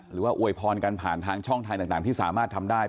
หรือว่าอวยพรกันผ่านทางช่องทางต่างที่สามารถทำได้